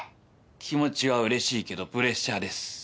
気持ちはうれしいけどプレッシャーです。